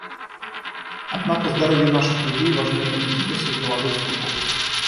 Однако здоровье наших людей важнее интересов деловых кругов.